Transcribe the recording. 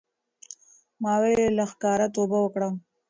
ما ولې له ښکاره توبه وکړه